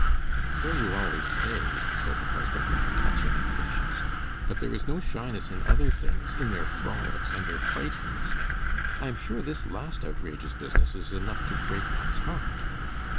"So you always say," said her husband, with a touch of impatience; "but there is no shyness in other things, in their frolics and their fightings. I am sure this last outrageous business is enough to break one's heart."